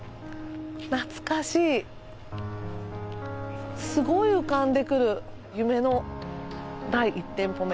懐かしいすごい浮かんでくる夢の第１店舗目